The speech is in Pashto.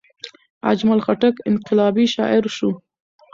اجمل خټک انقلابي شاعر شو.